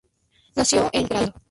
Nació en Leningrado.